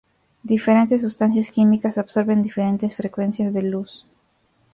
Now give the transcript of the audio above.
Diferentes sustancias químicas absorben diferentes frecuencias de luz.